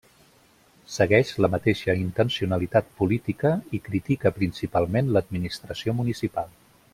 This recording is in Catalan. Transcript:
Segueix la mateixa intencionalitat política i critica principalment l'administració municipal.